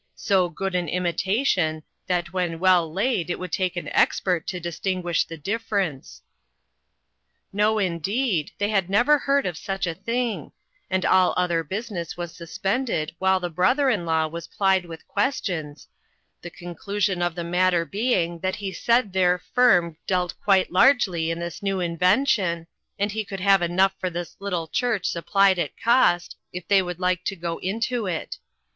So good an im itation that when well laid it would take an expert to distinguish the difference." BUD AS A TEACHER. 30$ No, indeed, they had never heard of such a thing ; and all other business was sus pended while the brother in law was plied with questions, the conclusion of the mat ter being that he said "their firm " dealt quite largely in this new invention, and he could have enough for this little church supplied at cost, if they would like to go into it.